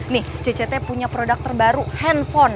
nih cct punya produk terbaru handphone